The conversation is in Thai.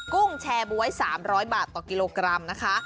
กุ้งแชร์บ๊วย๓๐๐บาทต่อกิโลกรัมนะคะ